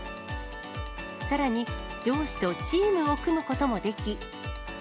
さらに、上司とチームを組むこともでき。